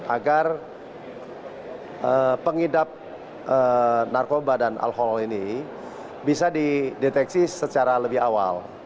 agar pengidap narkoba dan alkohol ini bisa dideteksi secara lebih awal